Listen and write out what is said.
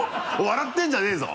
笑ってんじゃねぇぞ！